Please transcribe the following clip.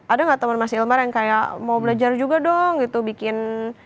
ada nggak teman mas hilmar yang kayak mau belajar juga dong gitu bikin